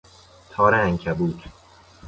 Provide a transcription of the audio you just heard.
تار عنکبوت